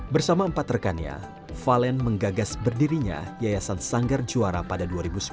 bersama empat rekannya valen menggagas berdirinya yayasan sanggar juara pada dua ribu sepuluh